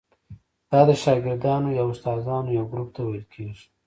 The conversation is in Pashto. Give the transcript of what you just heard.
دا د شاګردانو یا استادانو یو ګروپ ته ویل کیږي.